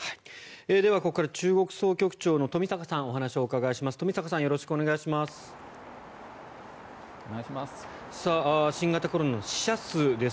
では、ここから中国総局長の冨坂さんにお話をお伺いします。